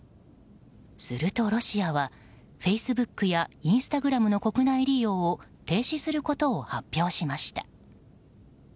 するとロシアはフェイスブックやインスタグラムの国内利用を停止することを発表しました。